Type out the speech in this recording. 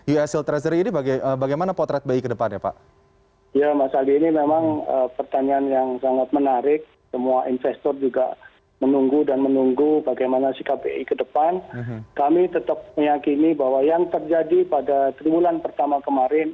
us treasury ini bagaimana potret bi ke depannya pak